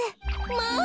まあ！